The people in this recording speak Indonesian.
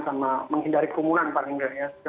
sama menghindari kerumunan paling tidak ya